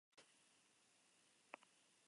Las líneas trazadas descubren un dibujo oculto.